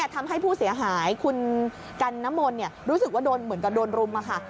ทำให้ผู้เสียหายคุณกันนมลรู้สึกว่าโดนเหมือนกับโดนรุมค่ะ